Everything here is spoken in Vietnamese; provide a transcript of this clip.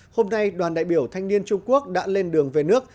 hôm nay đoàn đại biểu thanh niên trung quốc đã lên đường về nước